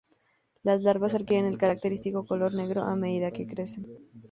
Las larvas adquieren el característico color negro a medida que crecen.